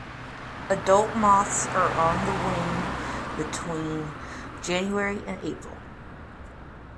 Adult moths are on the wing between January and April.